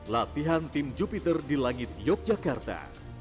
latihan tim jupiter di langit yogyakarta